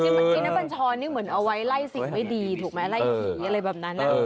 บางทีน้ำบัญชรนี่เหมือนเอาไว้ไล่สิ่งไม่ดีถูกไหมไล่ผีอะไรแบบนั้น